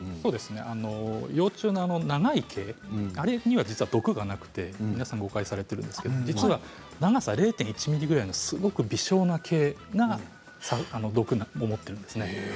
幼虫の長い毛には毒がなくて、皆さん誤解されているんですけれども０．１ｍｍぐらいの微小な毛が毒を持っているんですね。